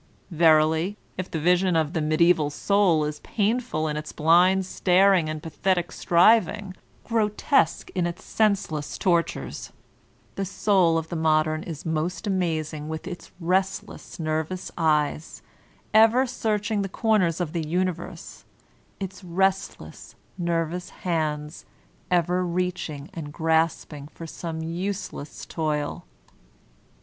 Verily, if the vision of the Mediaeval Soul is painful in its blind staring and pathetic striving, grotesque in its senseless tortures, the Soul of the 88 VOLTAIRINE DE ClEYRE Modem is most amazing with its restless, nervous eyes, ever searching the comers of the universe, its restless, nervous hands ever reaching and grasping for some use less toil.